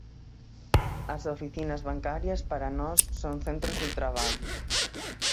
As oficinas bancarias para nós son centros de traballo.